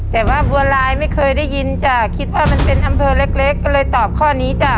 แต่ว่าบัวลายไม่เคยได้ยินจ้ะคิดว่ามันเป็นอำเภอเล็กก็เลยตอบข้อนี้จ้ะ